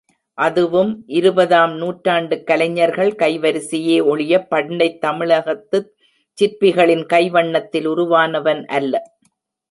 அதுவும் இருபதாம் நூற்றாண்டுக் கலைஞர்கள் கைவரிசையே ஒழியப் பண்டைத் தமிழகத்துச் சிற்பிகளின் கைவண்ணத்தில் உருவானவன் அல்ல.